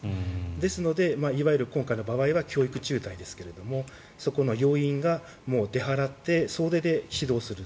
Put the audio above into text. ですので、いわゆる今回の場合は教育中隊ですけどもそこの要員がもう出払って総出で指導する。